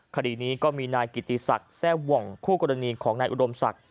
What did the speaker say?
คดีนี้ก็มีนายกิติศักดิ์แทร่หว่องคู่กรณีของนายอุดมศักดิ์